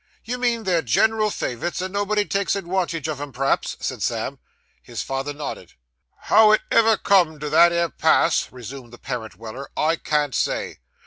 You mean, they're gen'ral favorites, and nobody takes adwantage on 'em, p'raps?' said Sam. His father nodded. 'How it ever come to that 'ere pass,' resumed the parent Weller, 'I can't say.